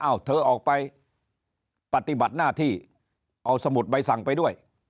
เธอออกไปปฏิบัติหน้าที่เอาสมุดใบสั่งไปด้วย